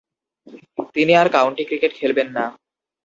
তিনি আর county cricket খেলবেন না।